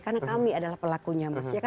karena kami adalah pelakunya mas